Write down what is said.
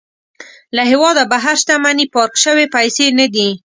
له هېواده بهر شتمني پارک شوې پيسې نه دي.